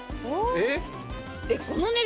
えっ？